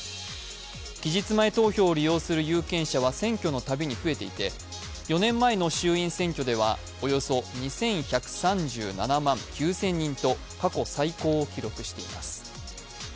期日前投票を利用する有権者は選挙のたびに増えていて４年前の衆院選挙ではおよそ２１３７万９０００人と過去最高を記録しています。